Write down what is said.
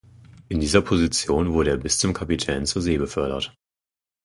In dieser Position wurde er bis zum Kapitän zur See befördert.